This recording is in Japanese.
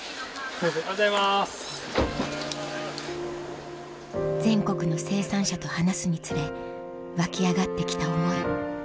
・おはようございます・全国の生産者と話すにつれ湧き上がって来た思い